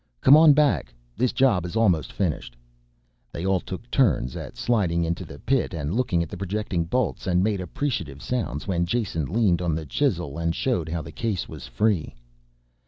"Come on back this job is almost finished." They all took turns at sliding into the pit and looking at the projecting bolts and made appreciative sounds when Jason leaned on the chisel and showed how the case was free.